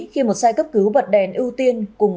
khi một xe cấp cứu bật đèn ưu tiên